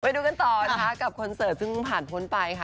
ดูกันต่อนะคะกับคอนเสิร์ตซึ่งผ่านพ้นไปค่ะ